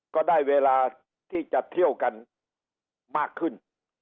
ก็ได้เวลาที่จะเที่ยวกันมากขึ้น